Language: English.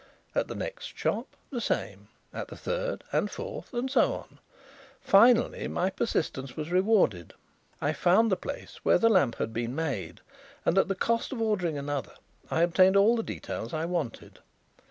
At the next shop the same; at the third, and fourth, and so on. Finally my persistence was rewarded. I found the place where the lamp had been made, and at the cost of ordering another I obtained all the details I wanted.